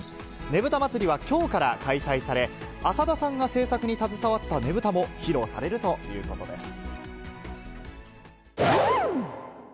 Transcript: ねぶた祭りはきょうから開催され、浅田さんが制作に携わったねぶたも披露されるということです。